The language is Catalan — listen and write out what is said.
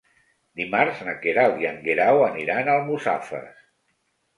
Dimarts na Queralt i en Guerau aniran a Almussafes.